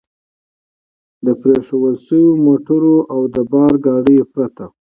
د پرېښوول شوو موټرو او د بار ګاډیو پرته.